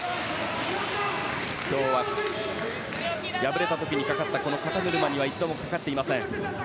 今日は敗れた時にかかった肩車には一度もかかっていません。